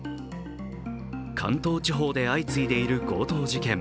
関東地方で相次いでいる強盗事件。